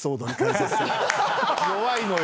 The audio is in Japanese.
弱いのよ。